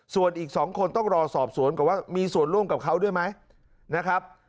ส่วนอีก๒คนต้องรอสอบสวนก่อนว่ามีส่วนร่วมกับเขาด้วยไหมนะครับ